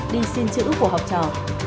đi xin chữ của học trò